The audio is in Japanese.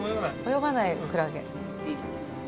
泳がないクラゲ。